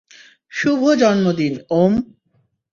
শুভ জন্মদিন, ওম।